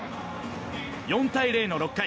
４対０の６回